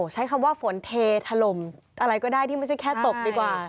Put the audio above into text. ใช้คำว่าฝนเทถล่มอะไรก็ได้ที่ไม่ใช่แค่ตกดีกว่า